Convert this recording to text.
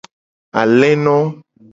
Aleno.